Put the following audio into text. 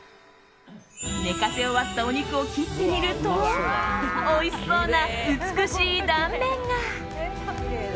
寝かせ終わったお肉を切ってみるとおいしそうな美しい断面が！